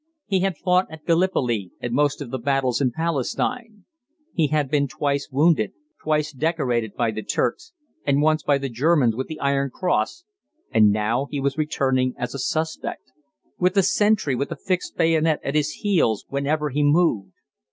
He had fought at Gallipoli and most of the battles in Palestine. He had been twice wounded, twice decorated by the Turks, and once by the Germans with the Iron Cross, and now he was returning as a suspect, with a sentry with a fixed bayonet at his heels whenever he moved.